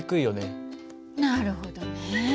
なるほどね。